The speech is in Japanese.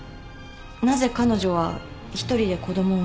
なぜ彼女は一人で子供を産んだのか。